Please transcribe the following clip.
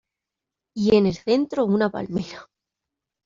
Y en el centro una palmera.